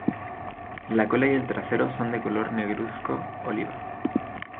La cola y el trasero son de color negruzco oliva.